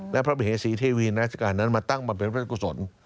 และพระบิเฮศรีเทวีนรัฐการณ์นั้นมาตั้งบำเพ็ญพระศักดิ์กุศล